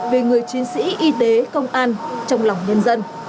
về người chiến sĩ y tế công an trong lòng nhân dân